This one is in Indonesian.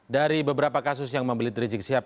dari beberapa kasus yang membelit rizik sihab